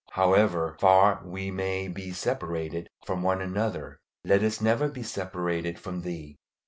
However far we may be separated from one another, let us never be separated from Thee.